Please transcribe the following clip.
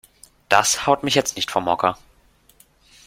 Das haut mich jetzt nicht vom Hocker.